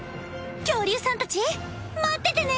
恐竜さんたち待っててね！